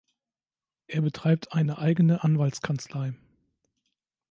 Er betreibt eine eigene Anwaltskanzlei.